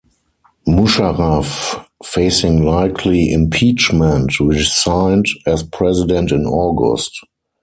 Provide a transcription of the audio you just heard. Musharraf, facing likely impeachment, resigned as president In August.